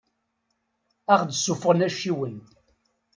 Ad aɣ-d-ssuffɣen acciwen.